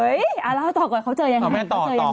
โอ๊ยแล้วก็เธอเจอยังไง